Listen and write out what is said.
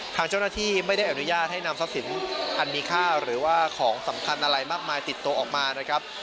ทางเจ้าหน้าที่ไม่ได้อนุญาตให้นำทรัพย์สินอันมีค่าหรือว่าของสำคัญอะไรมากมายติดตัวออกมานะครับ